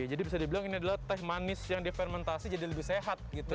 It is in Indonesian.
jadi bisa dibilang ini adalah teh manis yang di fermentasi jadi lebih sehat gitu ya